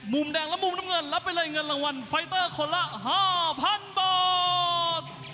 มุมแดงและมุมน้ำเงินรับไปเลยเงินรางวัลไฟเตอร์คนละ๕๐๐๐บาท